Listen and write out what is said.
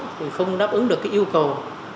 thì không đáp ứng được cái yêu cầu